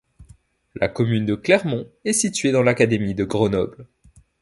La commune de Clermont est située dans l'académie de Grenoble.